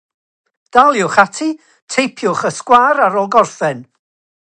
Roedd ym mherchnogaeth breifat.